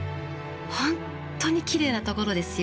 本当にきれいなところですよ。